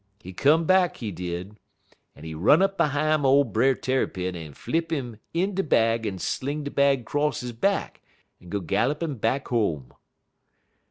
He come back, he did, en he run up behime ole Brer Tarrypin en flip 'im in de bag en sling de bag 'cross he back en go gallin' up back home.